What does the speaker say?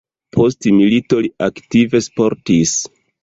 Post milito li aktive sportis.